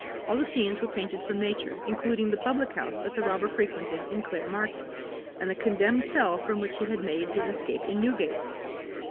All the scenes were painted from nature, including the public house that the robber frequented in Clare Market, and the condemned cell from which he had made his escape in Newgate.